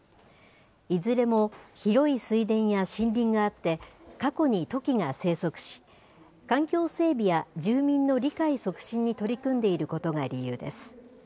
いずれも広い水田や森林があって、過去にトキが生息し、環境整備や住民の理解促進に取り組んでいることが理由です。